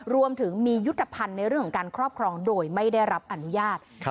รวมถึงมียุทธภัณฑ์ในเรื่องของการครอบครองโดยไม่ได้รับอนุญาต